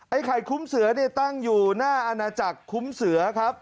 ไข่คุ้มเสือเนี่ยตั้งอยู่หน้าอาณาจักรคุ้มเสือครับ